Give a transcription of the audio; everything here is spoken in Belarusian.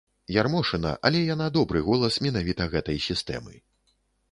Ярмошына, але яна добры голас менавіта гэтай сістэмы.